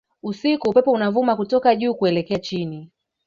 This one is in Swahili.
Usiku upepo unavuma kutoka juu kuelekea chini